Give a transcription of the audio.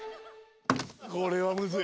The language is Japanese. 「これはむずい」